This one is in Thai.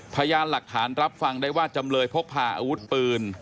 พยานหลักฐานรับฟังได้ว่าจำเลยพกพาอาวุธปืน